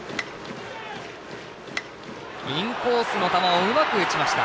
インコースの球をうまく打ちました。